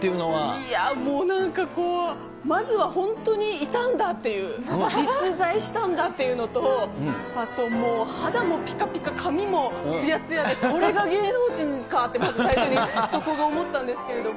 いやー、もうなんかまずは本当にいたんだっていう、実在したんだっていうのと、あともう肌もぴかぴか、髪もつやつやで、これが芸能人かって、まず最初に、そこが思ったんですけれども。